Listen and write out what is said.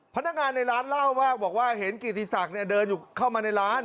พนักงานในร้านเล่ามากบอกว่าเห็นเกียรติศักดิ์เดินอยู่เข้ามาในร้าน